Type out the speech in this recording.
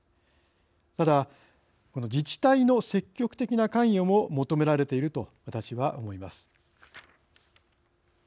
ただ自治体の積極的な関与も求められていると私は思います。